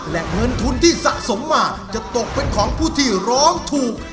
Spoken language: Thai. และเงินทุนที่สะสมมาจะตกเป็นของผู้ที่ร้องถูก